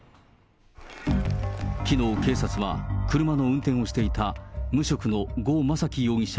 きのう警察は、車の運転をしていた、無職の呉昌樹容疑者